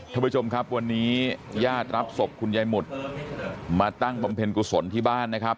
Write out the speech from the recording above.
ท่านผู้ชมครับวันนี้ญาติรับศพคุณยายหมุดมาตั้งบำเพ็ญกุศลที่บ้านนะครับ